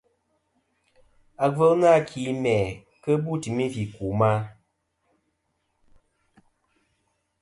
Agvɨl nâ ki mæ kɨ bu timi fɨ̀ ku ma.